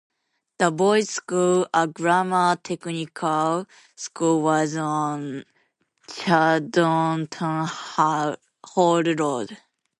The boys school, a grammar-technical school was on "Chadderton Hall Road".